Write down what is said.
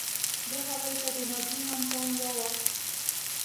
دې خبرې ته د ناجیې هم پام واوښته